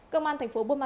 công an tp hcm